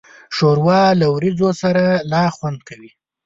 ښوروا له وریجو سره لا خوند کوي.